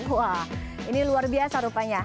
wah ini luar biasa rupanya